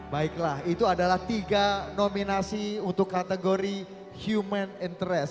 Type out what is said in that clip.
baiklah itu adalah tiga nominasi untuk kategori human interest